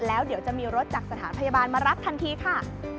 แล้วเดี๋ยวจะมีรถจากสถานพยาบาลมารับทันทีค่ะ